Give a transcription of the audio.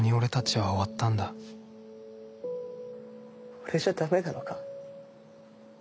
俺じゃダメなのか？